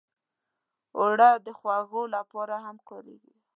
اوړه د خوږو لپاره هم کارېږي